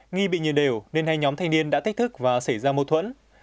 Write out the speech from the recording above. nghi bị nhìn đều nên hai nhóm thanh niên đã thách thức và xảy ra mâu thuẫn